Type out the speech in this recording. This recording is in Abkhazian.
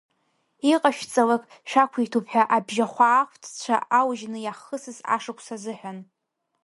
Иҟашәҵалак шәақәиҭуп ҳәа абжьахәаахәҭцәа аужьны иаҳхысыз ашықәс азыҳәан.